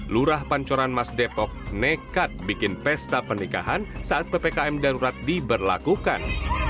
lurah pancoran mas depok nekat bikin pesta pernikahan saat ppkm darurat diberlakukan